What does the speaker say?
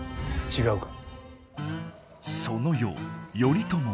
違うか。